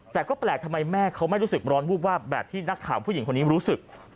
แต่ก็แปลกทำไมแม่เขาไม่รู้สึกร้อนวูบวาบแบบที่นักข่าวผู้หญิงคนนี้รู้สึก